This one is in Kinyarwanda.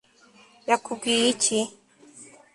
yakubwiye iki